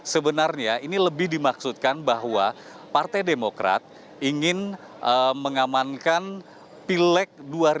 sebenarnya ini lebih dimaksudkan bahwa partai demokrat ingin mengamankan pileg dua ribu sembilan belas